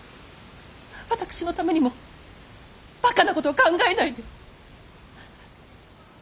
私のためにもばかなことは考えないで。